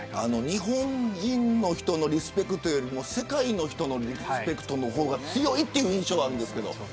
日本人の人のリスペクトよりも世界の人のリスペクトの方が強いという印象があります。